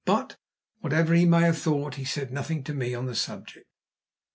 But, whatever he may have thought, he said nothing to me on the subject.